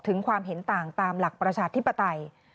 ความเห็นต่างตามหลักประชาธิปไตย